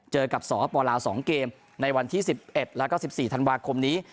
เจอกับสปลาว๒เกมในวันที่๑๑แล้วก็๑๔ธันวาคมนี้